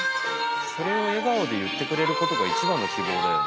それを笑顔で言ってくれることが一番の希望だよ。